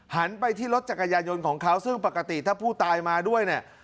หันไปที่รถจักรยายนต์ของเขาซึ่งปกติถ้าผู้ตายมาด้วยเนี่ย